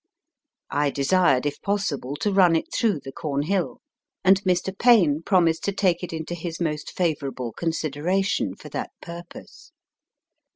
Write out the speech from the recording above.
I desired, if possible, to run it through the Cornhill, and Mr. Payn promised to take it into his most favourable consideration for that purpose.